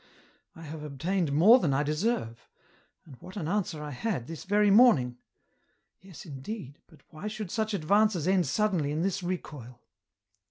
" I have obtained more than I deserve. And what an answer I had, this very morning ? Yes, indeed, but why should such advances end suddenly in this recoil